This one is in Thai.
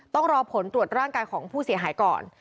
ต้องรอผลตรวจร่างกายของผู้เสียหายก่อน